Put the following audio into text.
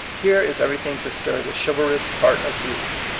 Here is everything to stir the chivalrous heart of youth.